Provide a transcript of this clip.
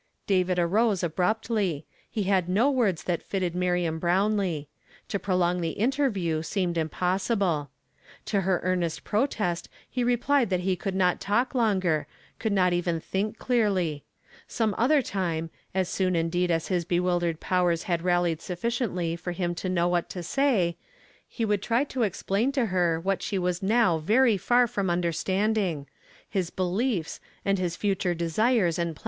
" David arose abruptly; he had no words that fitted Miriam Bro wnlee. To prolong the interview seemed impossible. To her earnest protest he re plied that he could not talk longer, could not even think clearly. Some other time, as soon indeed as his bewildered powers had rallied sufficiently for hm to know what to say, he would tr^ to explain " BE HATH SWALLOWED CP DEATH." 325 "g his l»l,ofs,a,Hl .„■» future desires an.l i